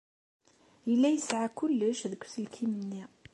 Yella yesɛa kullec deg uselkim-nni.